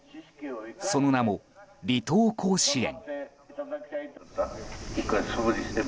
その名も、離島甲子園。